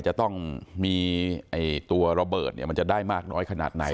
จะต้องมีตัวระเบิดมันจะได้มากน้อยขนาดไหน